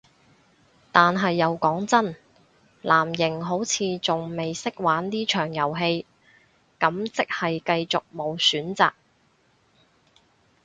但係又講真，藍營好似仲未識玩呢場遊戲，咁即係繼續無選擇